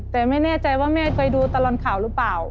แต่ไม่แน่ใจว่าแม่เคยดูตลอดข่าวหรือเปล่า